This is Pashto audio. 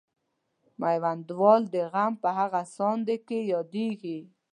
میوندوال د غم په هغه ساندې کې یادیږي.